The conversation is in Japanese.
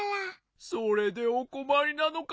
それでおこまりなのか。